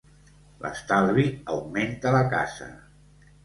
L'estalvi augmenta la casa.